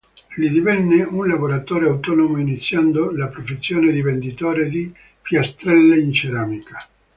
Lì divenne un lavoratore autonomo iniziando la professione di venditore di piastrelle in ceramica.